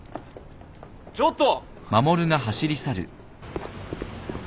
ちょっと。